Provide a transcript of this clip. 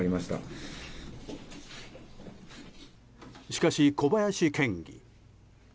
しかし、小林県議。